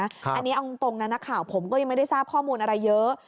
อันนี้เอาตรงนะนักข่าวผมก็ยังไม่ได้ทราบข้อมูลอะไรเยอะ